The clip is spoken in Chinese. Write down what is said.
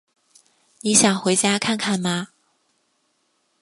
你想回家看看吗？